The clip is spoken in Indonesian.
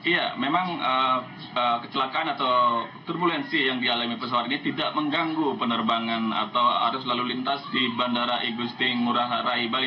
ya memang kecelakaan atau turbulensi yang dialami pesawat ini tidak mengganggu penerbangan atau arus lalu lintas di bandara igusti ngurah rai bali